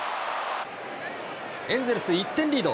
エンゼルス１点リード。